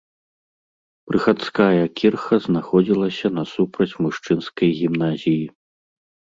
Прыхадская кірха знаходзілася насупраць мужчынскай гімназіі.